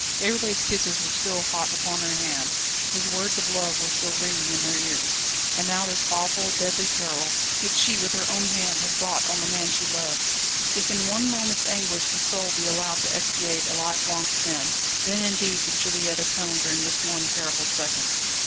Déroulède's kisses were still hot upon her hand, his words of love were still ringing in her ears. And now this awful, deadly peril, which she with her own hand had brought on the man she loved! If in one moment's anguish the soul be allowed to expiate a lifelong sin, then indeed did Juliette atone during this one terrible second.